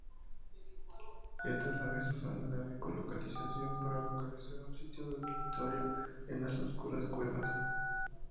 Estas aves usan la ecolocalización para localizar su sitio dormitorio en las oscuras cuevas.